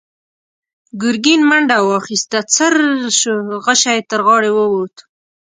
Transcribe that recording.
ګرګين منډه واخيسته، څررر شو، غشۍ يې تر غاړې ووت.